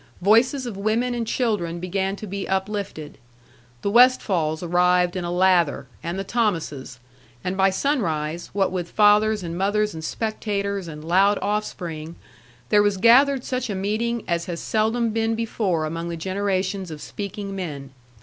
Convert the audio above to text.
Voices of women and children began to be uplifted; the Westfalls arrived in a lather, and the Thomases; and by sunrise, what with fathers and mothers and spectators and loud offspring, there was gathered such a meeting as has seldom been before among the generations of speaking men.